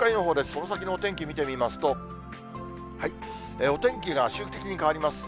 その先のお天気見てみますと、お天気が周期的に変わります。